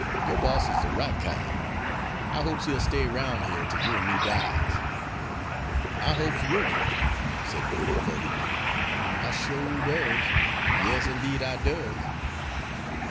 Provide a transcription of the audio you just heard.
Yo' boss is de right kin'; I hopes he'll stay 'roun' here till you an' me dies." "I hopes wid you," said Peter fervently, "I sho' does! Yas indeed I does."